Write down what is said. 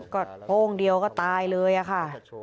ก็โป้งเดียวก็ตายเลยอะค่ะ